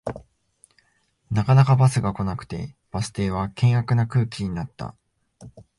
なかなかバスが来なくてバス停は険悪な空気になった